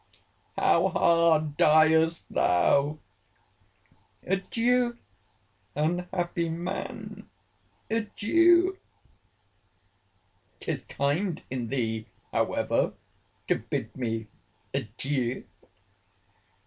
—How hard diest thou! ADIEU!—Unhappy man! ADIEU! 'Tis kind in thee, however, to bid me, Adieu!